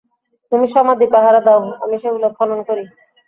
তুমি সমাধি পাহারা দাও, আমি সেগুলো খনন করি!